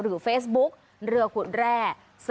หรือเฟซบุ๊คเรือขุดแร่